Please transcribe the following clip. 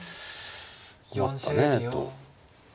困ったねえと。